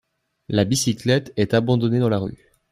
La bicyclette est abandonnée dans la rue